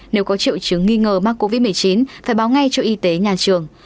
nếu có triệu chứng nghi ngờ mắc covid một mươi chín phải báo ngay cho y tế nhà trường